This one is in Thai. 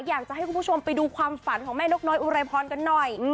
อยากจะให้คุณผู้ชมไปดูความฝันของแม่นกน้อยอุไรพรกันหน่อย